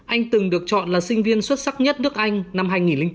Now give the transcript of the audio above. anh từng được chọn là sinh viên xuất sắc nhất nước anh năm hai nghìn bốn